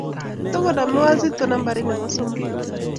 Tokonomei Wazito nambarit ne bo somok.